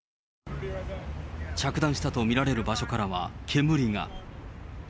着弾したと見られる場所からは煙が。